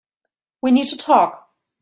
We need to talk.